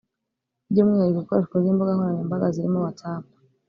by’umwihariko ikoreshwa ry’imbuga nkoranyambaga zirimo WhatsApp